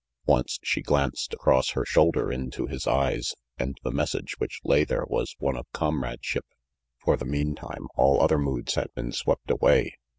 Once she glanced across her shoulder into his eyes, and the message which lay there was one of comradeship. For the meantime, all other moods had been swept away.